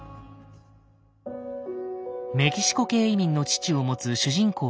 メキシコ系移民の父を持つ主人公